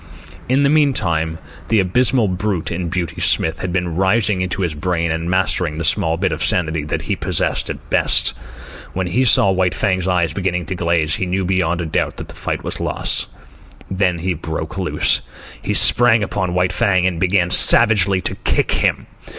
In the meantime, the abysmal brute in Beauty Smith had been rising into his brain and mastering the small bit of sanity that he possessed at best. When he saw White Fang's eyes beginning to glaze, he knew beyond doubt that the fight was lost. Then he broke loose. He sprang upon White Fang and began savagely to kick him.